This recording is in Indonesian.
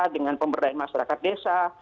dengan pemberdayaan masyarakat desa